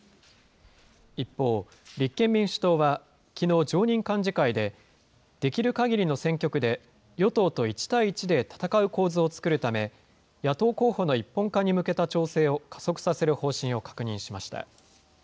一方、立憲民主党はきのう常任幹事会で、できるかぎりの選挙区で、与党と１対１で戦う構図を作るため、野党候補の一本化に向けた調整を加速させる方針を確認しました。